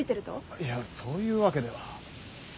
いやそういうわけでは。